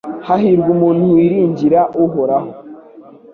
Hahirwa umuntu wiringira Uhoraho